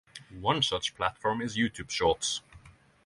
One such platform is YouTube Shorts.